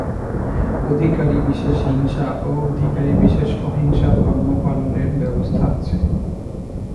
অধিকারিবিশেষে হিংসা ও অধিকারিবিশেষে অহিংসা-ধর্মপালনের ব্যবস্থা আছে।